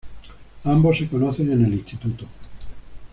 Ambos se conocen en el Instituto.